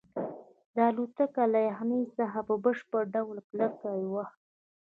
دا الوتکه له یخنۍ څخه په بشپړ ډول کلکه وه